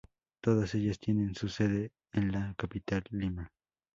Todas ellas tienen su sede en la capital, Lima.